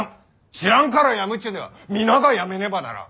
知らんから辞むっちゅうんでは皆が辞めねばならん。